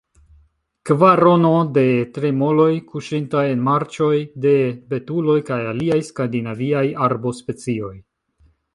Kvarono – de tremoloj kuŝintaj en marĉoj, de betuloj kaj aliaj skandinaviaj arbospecioj.